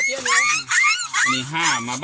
สวัสดีครับ